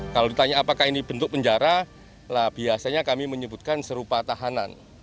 kalau ditanya apakah ini bentuk penjara biasanya kami menyebutkan serupa tahanan